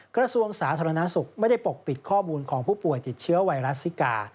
กระทรวงสาธารณสุขไม่ได้ปกปิดข้อมูลของผู้ป่วยติดเชื้อไวรัสซิกา